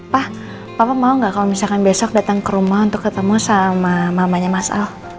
pak papa mau nggak kalau misalkan besok datang ke rumah untuk ketemu sama mamanya mas a